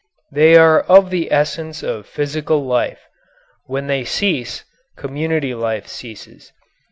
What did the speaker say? They are of the essence of physical life. When they cease, community life ceases.